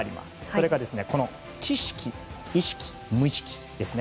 それが知識、意識、無意識です。